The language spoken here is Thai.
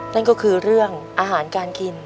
นั่นก็คือเรื่องอาหารการกิน